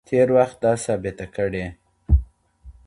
تېر وخت دا ثابته کړې.